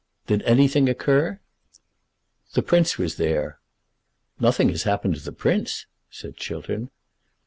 "Did anything occur?" "The Prince was there." "Nothing has happened to the Prince?" said Chiltern.